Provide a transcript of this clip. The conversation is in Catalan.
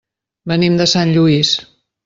Venim de Sant Lluís.